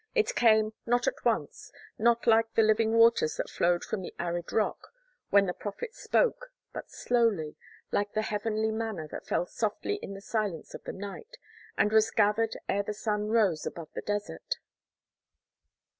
It came, not at once, not like the living waters that flowed from the arid rock, when the prophet spoke, but slowly, like the heavenly manna that fell softly in the silence of the night, and was gathered ere the sun rose above the desert.